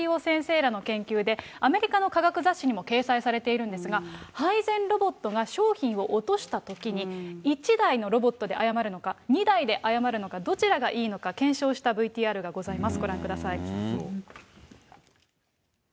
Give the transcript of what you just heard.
そそうなんです、こちら、同志社大学文化情報学部、飯尾先生らの研究が掲載されているんですが、配膳ロボットが商品を落としたときに、１台のロボットで謝るのか２台で謝るのかどちらがいいのか検証したＶＴＲがございます。